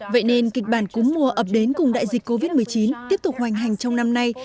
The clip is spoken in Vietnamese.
vậy nên kịch bản cúm mùa ập đến cùng đại dịch covid một mươi chín tiếp tục hoành hành trong năm nay